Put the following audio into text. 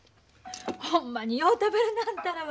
ほんまによう食べるなあんたらは。